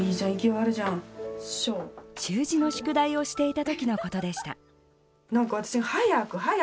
習字の宿題をしていた時のことでした。